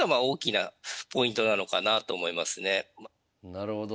なるほど。